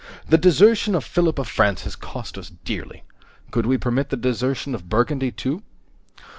The desertion of Philip of France has cost us dearly. Could we permit the desertion of Burgundy, too?"